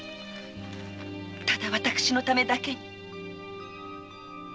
ただ私のためだけに。